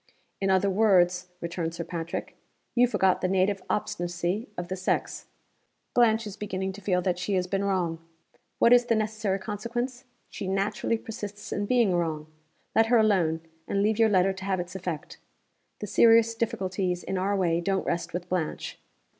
"In other words," returned Sir Patrick, "you forgot the native obstinacy of the sex. Blanche is beginning to feel that she has been wrong. What is the necessary consequence? She naturally persists in being wrong. Let her alone, and leave your letter to have its effect. The serious difficulties in our way don't rest with Blanche.